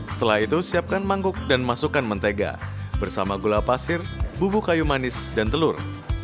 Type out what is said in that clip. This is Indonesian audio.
setelah itu siapkan mangkuk dan masukkan mentega bersama gula pasir bubuk kayu manis dan telur